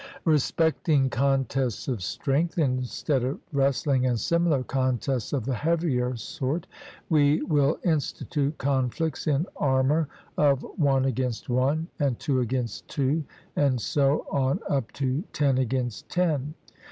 Respecting contests of strength, instead of wrestling and similar contests of the heavier sort, we will institute conflicts in armour of one against one, and two against two, and so on up to ten against ten.